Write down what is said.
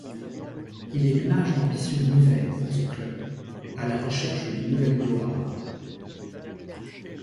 Il est l'image d'ambitions nouvelles pour ce club, à la recherche d'une nouvelle gloire.